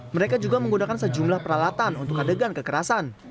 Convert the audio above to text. mereka juga menggunakan sejumlah peralatan untuk adegan kekerasan